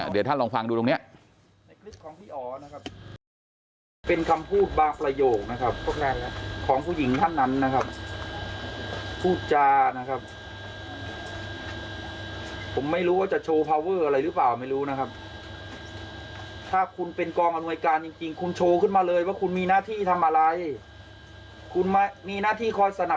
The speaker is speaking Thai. เดี๋ยวท่านลองฟังดูตรงนี้